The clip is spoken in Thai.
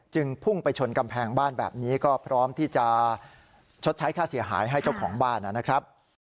พุ่งไปชนกำแพงบ้านแบบนี้ก็พร้อมที่จะชดใช้ค่าเสียหายให้เจ้าของบ้านนะครับ